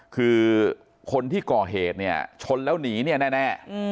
คือคนที่ก่อเหตุเนี่ยชนแล้วหนีเนี่ยแน่